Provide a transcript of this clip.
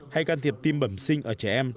hay can thiệp tim bẩm sinh ở trẻ em